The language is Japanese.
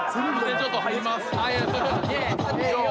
ちょっと入ります。